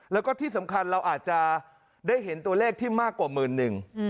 แล้วก็ที่สำคัญเราอาจจะได้เห็นตัวเลขที่มากกว่าหมื่นหนึ่ง